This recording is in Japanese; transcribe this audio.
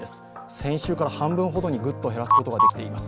先週から半分ほどにグッと減らすことができています。